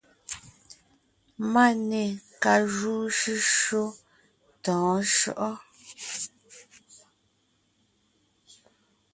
Máne ka júu shʉ́shyó tɔ̌ɔn shyɔ́ʼɔ ?